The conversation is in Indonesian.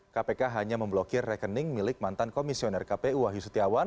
kpk hanya memblokir rekening milik mantan komisioner kpu wahyu setiawan